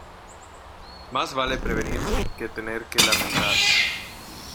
Más vale prevenir que tener que lamentar.